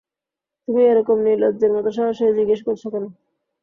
তুমি এরকম নির্লজ্জের মতো সরাসরি জিজ্ঞেস করছ কেন?